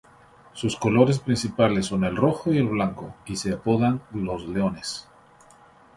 Sus colores principales son el rojo y el blanco y se apodan "Los Leones".